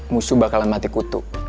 musuh bakal mati kutu